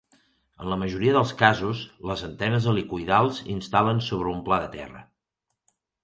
En la majoria dels casos, les antenes helicoïdals instal·len sobre un pla de terra.